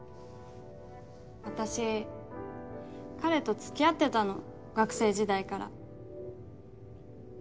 私彼と付き合ってたの学生時代から。